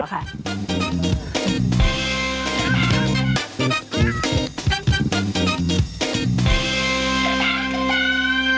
ตอนเดันสนุนสนุนสนุนสนุนสนุน